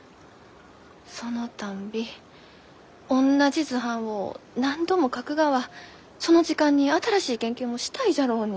そのたんびおんなじ図版を何度も描くがはその時間に新しい研究もしたいじゃろうに。